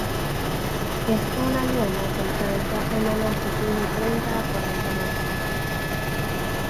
Es una liana que alcanza una longitud de treinta a cuarenta metros.